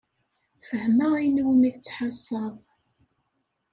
Fehmeɣ ayen umi tettḥassaḍ.